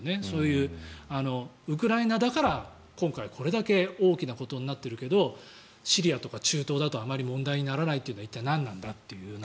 そういうウクライナだから今回、これだけ大きなことになってるけどシリアとか中東だとあまり問題にならないというのは一体、何なんだという。